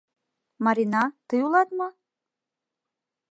Марина, тый улат мо?